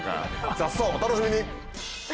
雑草お楽しみに。